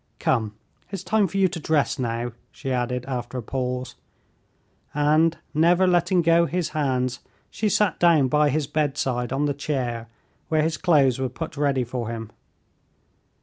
"Come, it's time for you to dress now," she added, after a pause, and, never letting go his hands, she sat down by his bedside on the chair, where his clothes were put ready for him.